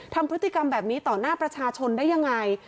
ทำพฤติกรรมแบบนี้ต่อหน้าประชาชนได้ยังไง